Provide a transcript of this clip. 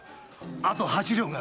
あと八両が。